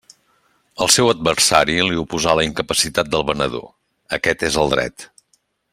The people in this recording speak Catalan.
El seu adversari li oposa la incapacitat del venedor; aquest és el dret.